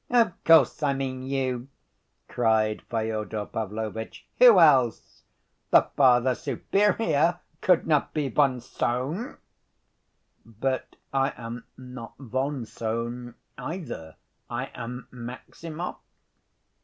"Of course I mean you," cried Fyodor Pavlovitch. "Who else? The Father Superior could not be von Sohn." "But I am not von Sohn either. I am Maximov."